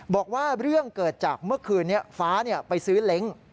บอกว่าเรื่องเกิดจากเมื่อคืนนี้ฟ้าไปซื้อเล้ง